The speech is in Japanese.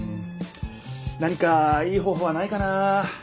何かいい方ほうはないかな？